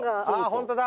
ホントだ。